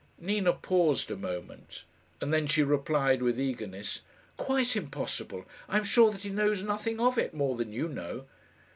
Nina paused a moment, and then she replied with eagerness, "Quite impossible. I am sure that he knows nothing of it more than you know."